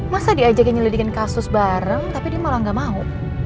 masa diajak nyelidikin kasus bareng tapi dia malah gak mau